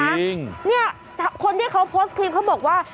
จริงเนี่ยคนที่เขาโพสต์คลิปเขาบอกว่า